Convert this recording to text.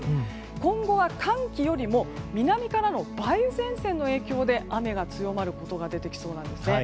今後は寒気よりも南からの梅雨前線の影響で雨が強まることが出てきそうなんですね。